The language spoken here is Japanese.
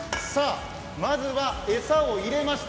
まずは、餌を入れました。